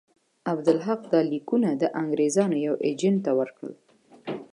عبدالحق دا لیکونه د انګرېزانو یوه اجنټ ته ورکړل.